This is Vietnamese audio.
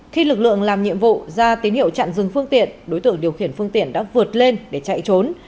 khi lực lượng làm nhiệm vụ ra tín hiệu chặn dừng phương tiện đối tượng điều khiển phương tiện đã vượt lên để chạy trốn